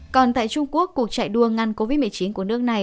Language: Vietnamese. còn tại trung quốc cuộc chạy đua ngăn covid một mươi chín của nước này